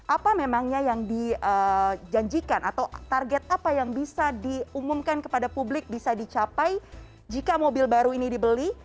apa memangnya yang dijanjikan atau target apa yang bisa diumumkan kepada publik bisa dicapai jika mobil baru ini dibeli